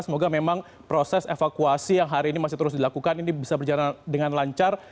semoga memang proses evakuasi yang hari ini masih terus dilakukan ini bisa berjalan dengan lancar